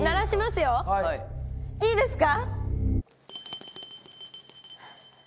いいですか？